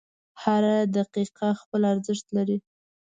• هره دقیقه خپل ارزښت لري.